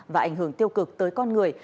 và ảnh hưởng tiêu cực tới con người